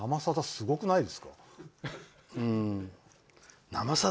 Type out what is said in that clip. すごくないですか？